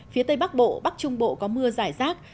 phía tây bắc bộ bắc trung bộ có mưa giải rác